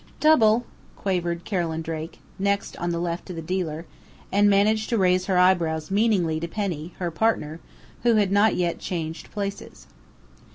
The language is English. "Double!" quavered Carolyn Drake, next on the left to the dealer, and managed to raise her eyebrows meaningly to Penny, her partner, who had not yet changed places.